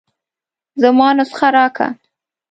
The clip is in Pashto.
زما نسخه راکه.